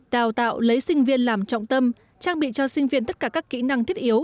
đào tạo lấy sinh viên làm trọng tâm trang bị cho sinh viên tất cả các kỹ năng thiết yếu